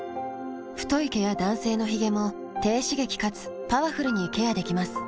太い毛や男性のヒゲも低刺激かつパワフルにケアできます。